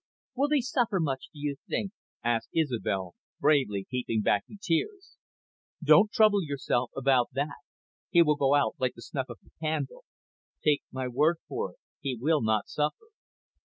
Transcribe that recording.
"Will he suffer much, do you think?" asked Isobel, bravely keeping back the tears. "Don't trouble yourself about that. He will go out like the snuff of a candle. Take my word for it, he will not suffer."